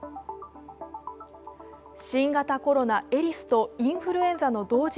新型コロナ・エリスとインフルエンザの同時